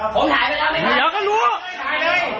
ปรากฏว่าสิ่งที่เกิดขึ้นคลิปนี้ฮะ